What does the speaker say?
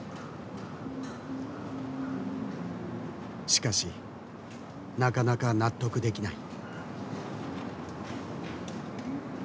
しかしなかなか納得できない。